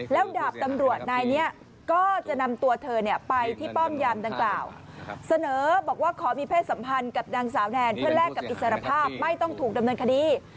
แล้วดาบตำรวจนายนี้ก็จะนำตัวเธอไปที่ป้อมยามดังกล่าวเสนอบอกว่าขอมีเพศสัมพันธ์กับนางสาวแนนเพื่อแลกกับอิสรภาพไม่ต้องถูกดำเนินคดี